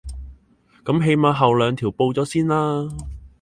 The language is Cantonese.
噉起碼後兩條報咗先啦